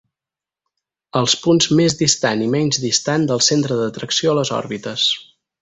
Els punts més distant i menys distant del centre d'atracció a les òrbites.